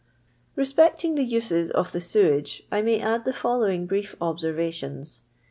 Respecting the uses of the settage, I may add the following brief observations.